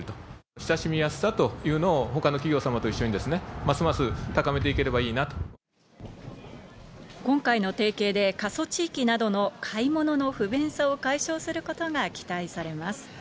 親しみやすさというのをほかの企業様と一緒に、ますます高めてい今回の提携で、過疎地域などの買い物の不便さを解消することが期待されます。